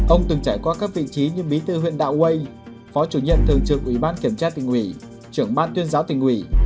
ông từng trải qua các vị trí như bí thư huyện đạo quây phó chủ nhận thường trưởng ủy ban kiểm tra tỉnh ủy trưởng ban tuyên giáo tỉnh ủy